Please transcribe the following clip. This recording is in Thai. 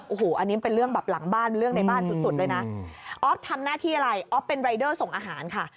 โอ้โหอันนี้เป็นเรื่องแบบหลังบ้านเรื่องในบ้านสุดเลยนะอ๊อฟทำหน้าที่อะไรอ๊อฟเป็นรายเดอร์ส่งอาหารค่ะ